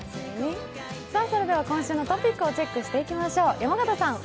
それでは今週のトピックをチェックしていきましょう。